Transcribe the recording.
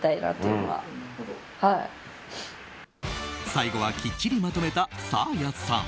最後は、きっちりまとめたサーヤさん。